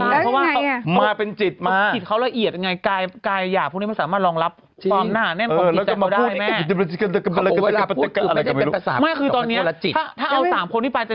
แล้วยังไงมาเป็นจิตมาเขาจิตเขาละเอียดยังไงกายหยาบพวกนี้ไม่สามารถรองรับความหนาแน่นของจิตเขาได้ไหม